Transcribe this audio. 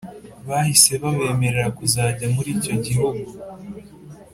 bahise babemerera kuzajya muricyo gihugu